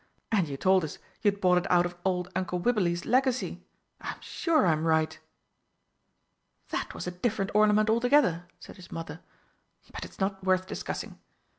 And you told us you'd bought it out of old Uncle Wibberley's legacy. I'm sure I'm right!" "That was a different ornament altogether," said his mother; "but it's not worth discussing."